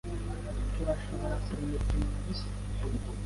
Turashobora kurema ikintu mubusa?